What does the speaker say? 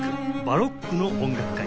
バロックの音楽会」